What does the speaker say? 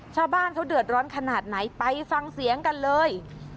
ชาวบ้านเขาเดือดร้อนขนาดไหนไปฟังเสียงกันเลย